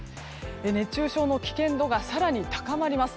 熱中症の危険度が更に高まります。